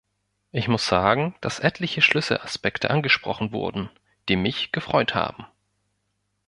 Ich muss sagen, dass etliche Schlüsselaspekte angesprochen wurden, die mich gefreut haben.